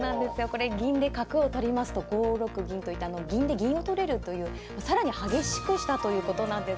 これ銀で角を取りますと５六銀といたのを銀で銀を取れるという更に激しくしたということなんですね。